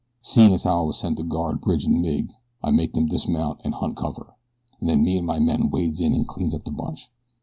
"Seein' as how I was sent to guard Bridge an' Mig, I makes them dismount and hunt cover, and then me an' my men wades in and cleans up the bunch.